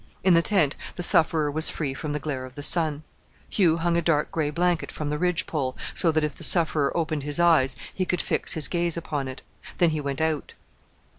In the tent the sufferer was free from the glare of the sun. Hugh hung a dark grey blanket from the ridge pole, so that if the sufferer opened his eyes he could fix his gaze upon it. Then he went out.